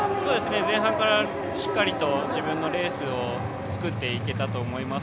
前半からしっかりと自分のレースを作っていけたと思います。